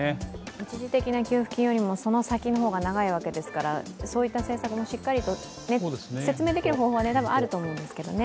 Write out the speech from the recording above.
一時的な給付金よりもその先の方が長いわけですからそういった政策もしっかりと説明できる方法は多分あると思うんですけどね。